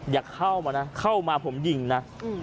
อย่าเข้ามานะเข้ามาผมยิงนะ